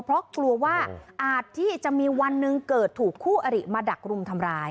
เพราะกลัวว่าอาจที่จะมีวันหนึ่งเกิดถูกคู่อริมาดักรุมทำร้าย